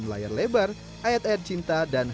layar lebar ayat ayat cinta dan